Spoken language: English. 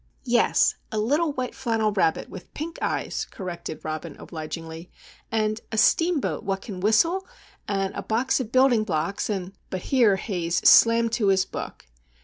"Yes, a little white flannel rabbit with pink eyes," corrected Robin, obligingly. "And a steamboat what can whistle, and a box of building blocks, an'——" But here Haze slammed to his book.